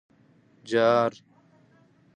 _جار!